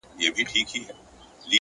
د ښکلا د دُنیا موري د شرابو د خُم لوري